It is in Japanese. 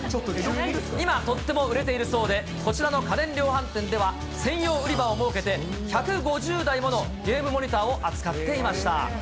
今とっても売れているそうで、こちらの家電量販店では、専用売り場を設けて、１５０台ものゲームモニターを扱っていました。